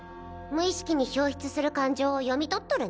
無意識に表出する感情を読み取っとる